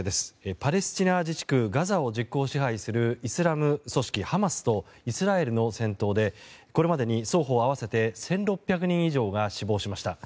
パレスチナ自治区ガザを実効支配するイスラム組織ハマスとイスラエルの戦闘でこれまでに双方合わせて１６００人以上が死亡しました。